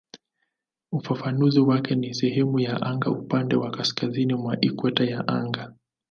Ufafanuzi wake ni "sehemu ya anga upande wa kaskazini wa ikweta ya anga".